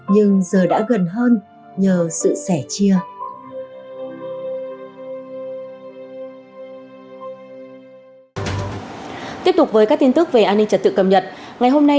nhưng giờ đã gần hơn nhờ sự sẻ chia